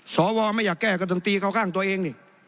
สวไม่อยากแก้ก็ต้องตีเข้าข้างตัวเองนี่